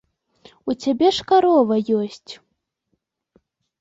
У цябе ж карова ёсць.